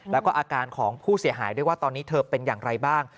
แล้วก็อาการของผู้เสียหายด้วยว่าตอนนี้เธอเป็นอย่างไรบ้าง